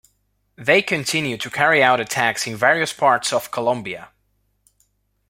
They continue to carry out attacks in various parts of Colombia.